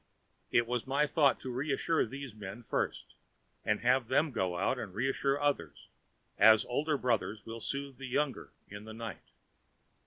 It was my thought to reassure these men first, and have them go out and reassure others, as older brothers will soothe the younger in the night.